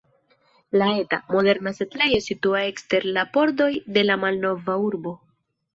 La eta, moderna setlejo situas ekster la pordoj de la malnova urbo.